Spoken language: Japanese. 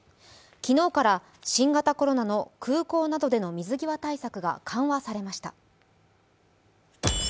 昨日から、新型コロナの空港などでの水際対策が緩和されました。